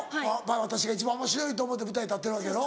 私が一番おもしろいと思って舞台に立ってるわけやろ？